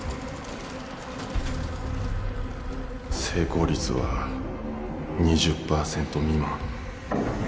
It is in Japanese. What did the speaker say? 成功率は２０％未満。